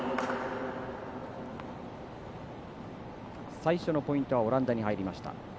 最初のポイントはオランダに入りました。